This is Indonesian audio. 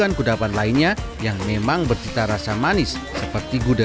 karena ada kudapan lainnya yang memang bercita rasa manis seperti gudeg